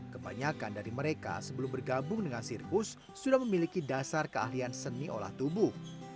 kebanyakan dari mereka sebelum bergabung dengan sirkus sudah memiliki dasar keahlian seni olah tubuh